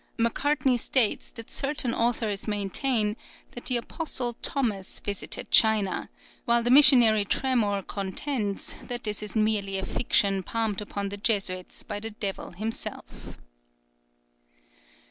Macartney states that certain authors maintain that the apostle Thomas visited China; while the Missionary Tremore contends, that this is merely a fiction palmed upon the Jesuits by the devil himself.